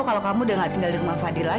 alhamdulillah ya allah